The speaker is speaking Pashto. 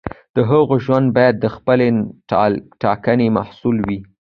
د هغه ژوند باید د خپلې ټاکنې محصول وي.